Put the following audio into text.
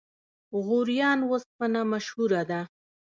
غوریان وسپنه مشهوره ده؟